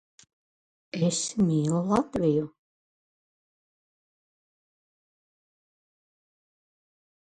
Laiks jātaupa, un mēs visi esam pateikuši par zinātni.